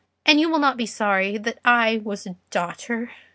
and you will not be sorry that I was a daughter."